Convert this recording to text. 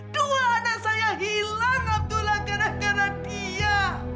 dua anak saya hilang waktulah gara gara dia